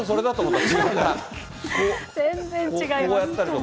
全然違います。